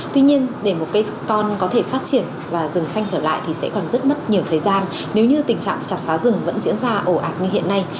tuy nhiên để một cây con có thể phát triển và rừng xanh trở lại thì sẽ còn rất mất nhiều thời gian nếu như tình trạng chặt phá rừng vẫn diễn ra ổ ạt như hiện nay